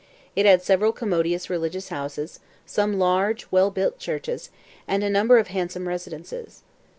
It had several commodious religious houses, some large, well built churches, and a number of handsome residences.